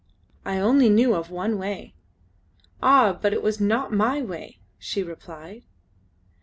I only knew of one way." "Ah! but it was not my way!" she replied.